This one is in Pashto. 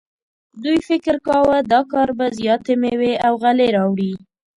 دوی فکر کاوه دا کار به زیاتې میوې او غلې راوړي.